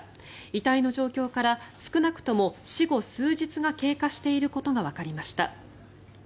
遺体の状況から少なくとも死後数日が経過していることがわかりました。